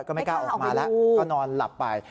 ก็ไม่กล้าออกมาแล้วก็นอนหลับไป